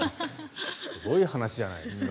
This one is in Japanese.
すごい話じゃないですか。